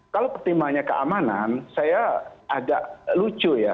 kalau pertimbangannya keamanan saya agak lucu ya